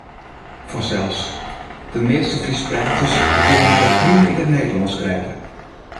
Fansels, de measte Fryskpraters kinne har ek prima yn it Nederlânsk rêde.